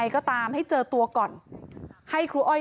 มีเรื่องอะไรมาคุยกันรับได้ทุกอย่าง